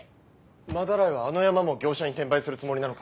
斑井はあの山も業者に転売するつもりなのか？